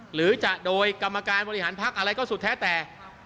หรือจะโดยกรรมการบริหารพักอะไรก็สุดแท้แต่